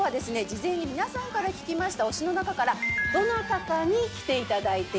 事前に皆さんから聞きました推しの中からどなたかに来ていただいています。